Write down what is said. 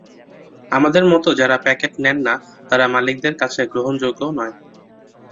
আমাদের মতো যাঁরা প্যাকেট নেন না, তাঁরা মালিকদের কাছে গ্রহণযোগ্যও না।